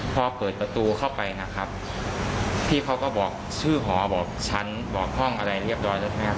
พอเปิดประตูเข้าไปนะครับพี่เขาก็บอกชื่อหอบอกฉันบอกห้องอะไรเรียบร้อยแล้วใช่ไหมครับ